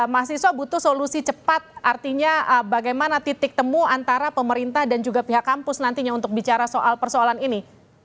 mahasiswa butuh solusi cepat artinya bagaimana titik temu antara pemerintah dan juga pihak kampus nantinya untuk bicara soal persoalan ini